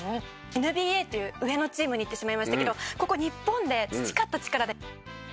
ＮＢＡという上のチームに行ってしまいましたけどここ日本で培った力で勝ってほしいですよね。